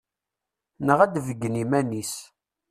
Neɣ ad beyyen iman-is.